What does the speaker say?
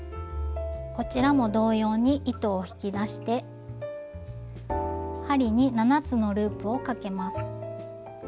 こちらも同様に糸を引き出して針に７つのループをかけます。